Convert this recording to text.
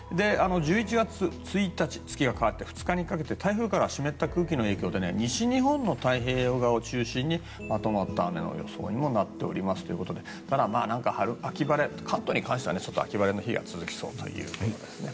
１１月１日、月が変わって２日にかけて台風から湿った空気の影響で西日本の太平洋側を中心にまとまった雨の予想にもなっていますということでただ、関東に関しては秋晴れの日が続きそうということですね。